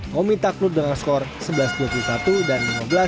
ngomita klut dengan skor sebelas dua puluh satu dan lima belas dua puluh satu